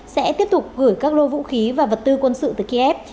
sẽ tiếp tục gửi các lô vũ khí và vật tư quân sự tới kiev